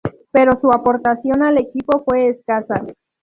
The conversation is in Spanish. Pero su aportación al equipo fue escasa.